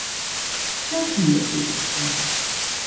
Set ûndertitels oan.